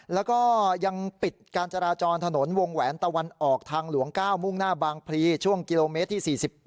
แล้วก็ยังปิดการจราจรถนนวงแหวนตะวันออกทางหลวง๙มุ่งหน้าบางพลีช่วงกิโลเมตรที่๔๘